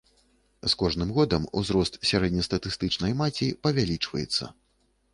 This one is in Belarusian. З кожным годам узрост сярэднестатыстычнай маці павялічваецца.